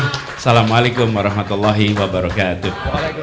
assalamu'alaikum warahmatullahi wabarakatuh